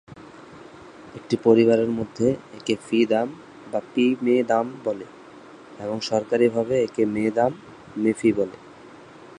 একটি পরিবারের মধ্যে একে ফি দাম বা পি মে দাম বলে এবং সরকারিভাবে একে মে দাম মে ফি বলে।